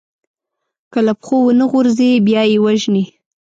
که له پښو ونه غورځي، بیا يې وژني.